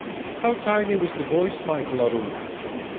"How tiny was the voice, Michael aroon?"